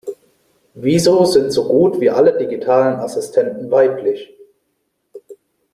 Wieso sind so gut wie alle digitalen Assistenten weiblich?